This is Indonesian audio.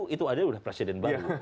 itu adalah presiden baru